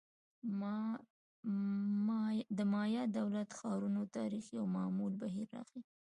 د مایا دولت-ښارونو تاریخ یو معمول بهیر راښيي.